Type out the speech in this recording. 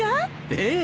ええ。